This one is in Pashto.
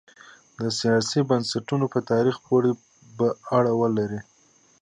د سیاسي بنسټونو په تاریخ پورې به اړه ولري.